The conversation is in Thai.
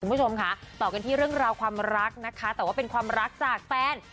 คุณผู้ชมค่ะต่อกันที่เรื่องราวความรักนะคะแต่ว่าเป็นความรักจากแฟน